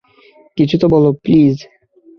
কিছু তো বলো, প্লিজ।